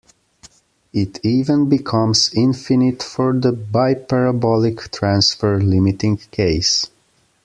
It even becomes infinite for the bi-parabolic transfer limiting case.